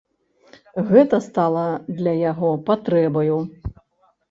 Гэта стала для яго патрэбаю.